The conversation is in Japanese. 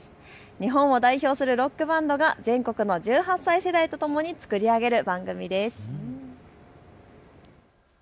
日本を代表するロックバンドが全国の１８歳世代とともに作り上げる番組です。